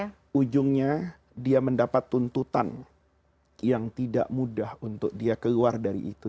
karena ujungnya dia mendapat tuntutan yang tidak mudah untuk dia keluar dari itu